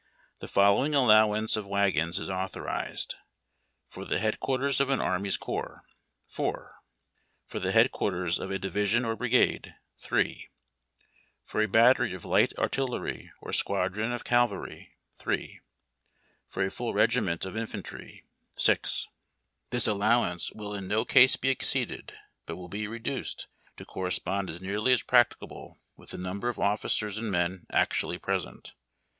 The following allowance of wagons is authorized: For the Head Quarters of an Army Corps Four "" a Division or Brigade Three For a Battery of Light A rtillerj', or Squadron of Cavalry ... Three For a full regiment of Infantry ^'/x This allowance will in no case be exceeded, but will be reduced to corre spond as nearly as practicable with the number of officers and men actually present.